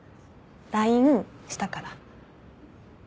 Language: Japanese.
ＬＩＮＥしたから。